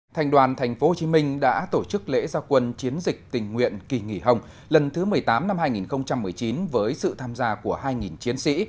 thành đoàn tp hcm đã tổ chức lễ gia quân chiến dịch tình nguyện kỳ nghỉ hồng lần thứ một mươi tám năm hai nghìn một mươi chín với sự tham gia của hai chiến sĩ